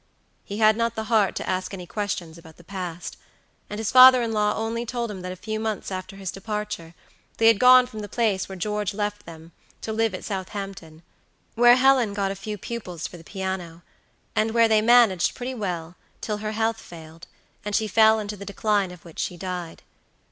He had not the heart to ask any questions about the past, and his father in law only told him that a few months after his departure they had gone from the place where George left them to live at Southampton, where Helen got a few pupils for the piano, and where they managed pretty well till her health failed, and she fell into the decline of which she died.